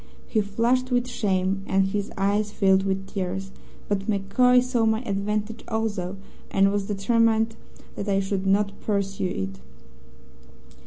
He flushed with shame, and his eyes filled with tears. But MacCoy saw my advantage also, and was determined that I should not pursue it.